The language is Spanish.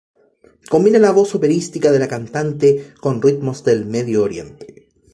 Combina la voz operística de la cantante, con ritmos del Medio Oriente.